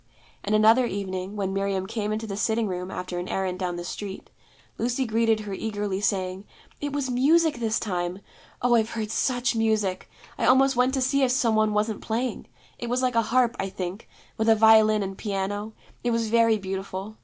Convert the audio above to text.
And another evening, when Miriam came into the sitting room after an errand down the street, Lucy greeted her eagerly, saying, 'It was music this time. Oh, I've heard such music! I almost went to see if some one wasn't playing. It was like a harp, I think, with a violin and piano: it was very beautiful.